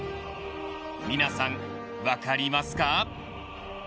皆さん、分かりますか？